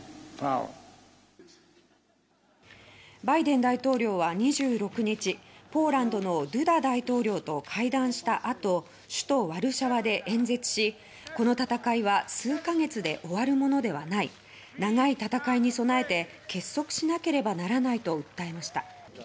バイデン大統領は２６日ポーランドのドゥダ大統領と会談したあと首都ワルシャワで演説しこの戦いは数か月で終わるものではない長い戦いに備えて結束しなければならないと訴えました。